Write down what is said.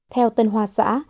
theo tân hoa xã